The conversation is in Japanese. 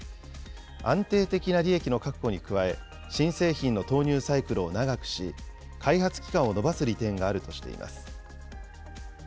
安定的な利益の確保に加え、新製品の投入サイクルを長くし、開発期間を延ばす利点があるとしています。